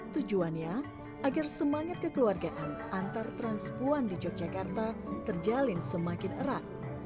tujuannya agar semangat kekeluargaan antar transpuan di yogyakarta terjalin semakin erat